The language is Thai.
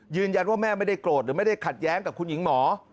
แม่ไม่ได้โกรธหรือไม่ได้ขัดแย้งกับคุณหญิงหมอ